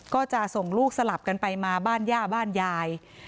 ก็จะส่งลูกสลับกันไปมาบ้านย่าบ้านยาย